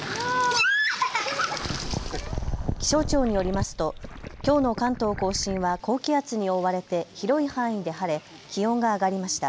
気象庁によりますときょうの関東甲信は高気圧に覆われて広い範囲で晴れ気温が上がりました。